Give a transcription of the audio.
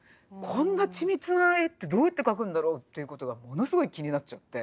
こんな緻密な絵ってどうやって描くんだろうっていうことがものすごい気になっちゃって。